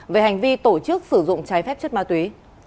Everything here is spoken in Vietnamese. về hành vi tổ chức sử dụng trái phép chất ma túy